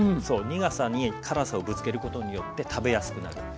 そう苦さに辛さをぶつけることによって食べやすくなる。